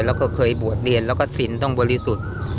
แล้วก็เคยบวชเรียนแล้วก็สินต้องบริสุทธิ์